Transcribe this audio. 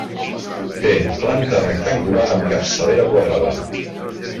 Té planta rectangular amb capçalera quadrada.